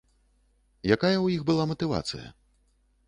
Якая ў іх была матывацыя?